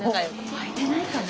開いてないかな？